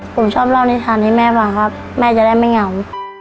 ผมชอบเล่านิทานให้แม่ฟังครับแม่จะได้ไม่เหงา